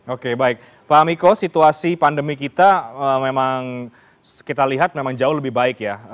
oke baik pak amiko situasi pandemi kita memang kita lihat memang jauh lebih baik ya